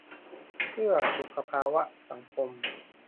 'เพื่อสุขภาวะสังคม'